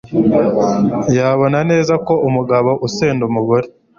yabona neza ko umugabo usenda umugore